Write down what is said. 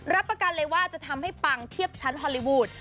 รับประกันเลยว่าจะทำให้ปังเทียบชั้นฮอลลีวูด